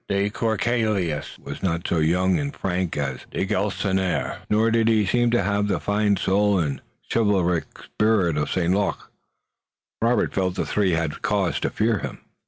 De Courcelles was not so young and frank as de Galisonnière, nor did he seem to have the fine soul and chivalric spirit of St. Luc. Robert felt the three had cause to fear him.